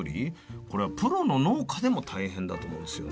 これはプロの農家でも大変だと思うんですよね。